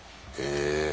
え。